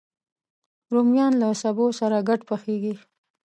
رومیان له سبو سره ګډ پخېږي